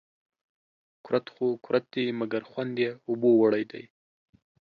کورت خو کورت دي ، مگر خوند يې اوبو وړى دى